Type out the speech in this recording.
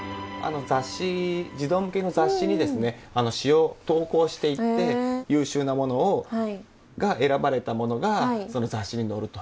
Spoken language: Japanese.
児童向けの雑誌にですね詩を投稿していって優秀なものが選ばれたものがその雑誌に載ると。